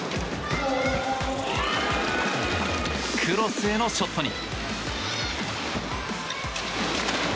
クロスへのショットに。